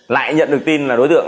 lại nhận được tin là đối tượng